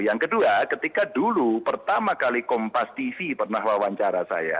yang kedua ketika dulu pertama kali kompas tv pernah wawancara saya